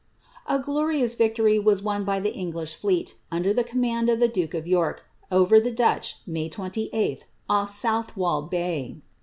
Agloriou victory was won by the English fleet, under the command of the duke of York, over the Dutch, May 28lh, ofl* Southwold Bay.